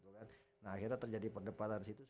nah akhirnya terjadi perdebatan